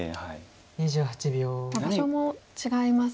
場所も違いますし。